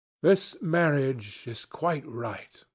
This marriage is quite right.